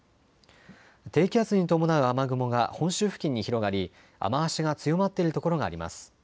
低気圧に伴う雨雲が本州付近に広がり、雨足が強まっている所があります。